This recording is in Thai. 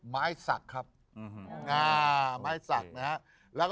ไม้ศักดิ์ครับอ่าไม้ศักดิ์นะครับ